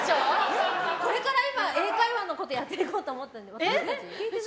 これから英会話のことやっていこうと思ったのに。